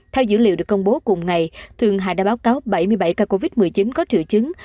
theo dữ liệu được công bố cùng ngày thường hà đã báo cáo bảy mươi bảy ca covid một mươi chín có triệu chứng